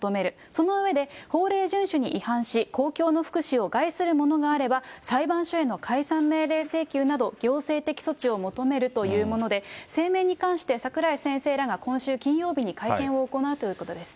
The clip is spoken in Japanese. その上で、法令順守に違反し、公共の福祉を害するものがあれば、裁判所への解散命令請求など、行政的措置を求めるというもので、声明に関して櫻井先生らが今週金曜日に会見を行うということです。